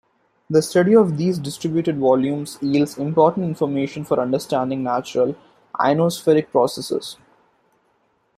The study of these disturbed volumes yields important information for understanding natural ionospheric processes.